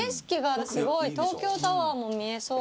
東京タワーも見えそう。